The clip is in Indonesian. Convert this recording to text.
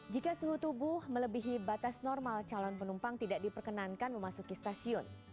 jika suhu tubuh melebihi batas normal calon penumpang tidak diperkenankan memasuki stasiun